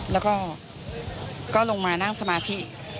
แล้วก็ลงมานั่งสมาธิ